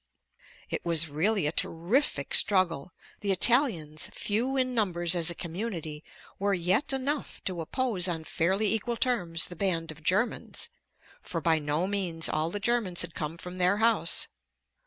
It was really a terrific struggle. The Italians, few in numbers as a community, were yet enough to oppose on fairly equal terms the band of Germans, for by no means all the Germans had come from their house.